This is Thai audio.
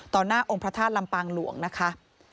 หน้าองค์พระธาตุลำปางหลวงนะคะ